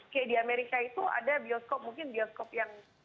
kayak di amerika itu ada bioskop mungkin bioskop yang